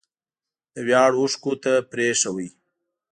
د ویاړ اوښکو ته پرېښود